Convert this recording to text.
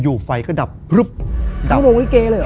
อยู่ไฟก็ดับพรึบดับทั้งโรงลิเกเลยเหรอ